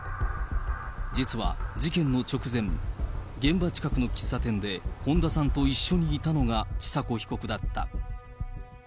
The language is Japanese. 実は、事件の直前、現場近くの喫茶店で本田さんと一緒にいたのが千佐子被告だった。